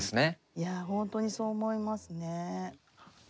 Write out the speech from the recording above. いや本当にそう思いますね。